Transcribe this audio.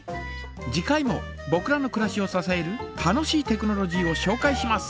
次回もぼくらのくらしをささえる楽しいテクノロジーをしょうかいします。